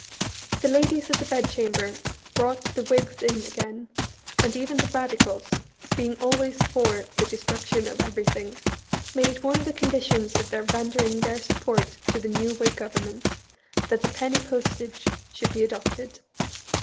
The Ladies of the Bedchamber brought the Whigs in again, and then the Radicals (being always for the destruction of everythiag) MISPRINT IN THE EDINBUEGH EEVIEW. 283 made it one of the conditions of their rendering their sup port to the new Whig Government that the penny postage should be adopted.